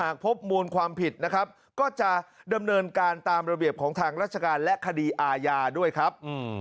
พบมูลความผิดนะครับก็จะดำเนินการตามระเบียบของทางราชการและคดีอาญาด้วยครับ